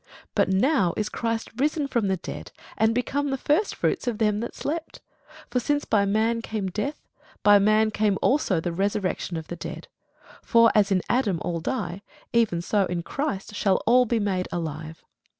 But now is Christ risen from the dead, and become the firstfruits of them that slept. For since by man came death, by man came also the resurrection of the dead. For as in Adam all die, even so in Christ shall all be made alive.